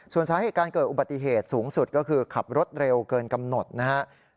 ส่วนสาเหตุการเกิดอุบัติเหตุสูงสุดก็คือขับรถเร็วเกินกำหนดนะครับ